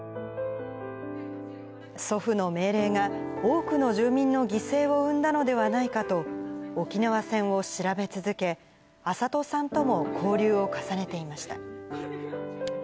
祖父の命令が多くの住民の犠牲を生んだのではないかと、沖縄戦を調べ続け、安里さんとも交流を重ねていました。